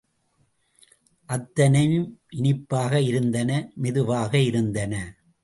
அத்தனையும் இனிப்பாக இருந்தன, மெதுவாக இருந்தன.